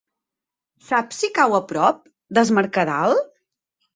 Saps si cau a prop d'Es Mercadal?